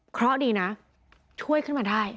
เพราะดีนะช่วยขึ้นมาได้